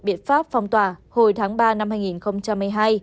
biện pháp phong tỏa hồi tháng ba năm hai nghìn hai mươi hai